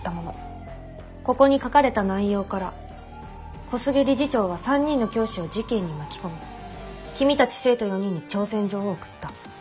ここに書かれた内容から小菅理事長は３人の教師を事件に巻き込み君たち生徒４人に挑戦状を送った。